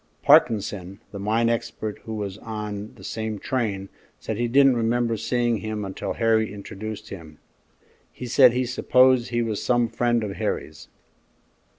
Parkinson, the mine expert who was on the same train, said he didn't remember seeing him until Harry introduced him; he said he supposed he was some friend of Harry's.